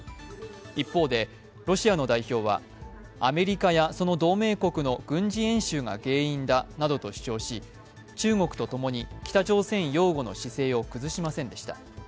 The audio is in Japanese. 一方でロシアの代表はアメリカやその同盟国の軍事演習が原因だなどと主張し中国と共に北朝鮮擁護の姿勢を崩しませんでした。